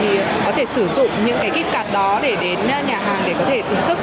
thì có thể sử dụng những cái gift card đó để đến nhà hàng để có thể thưởng thức